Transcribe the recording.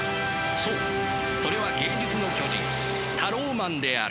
そうそれは芸術の巨人タローマンである！